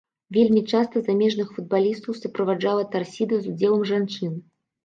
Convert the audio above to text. Вельмі часта замежных футбалістаў суправаджала тарсіда з удзелам жанчын.